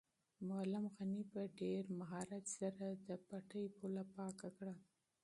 معلم غني په ډېر مهارت سره د پټي پوله پاکه کړه.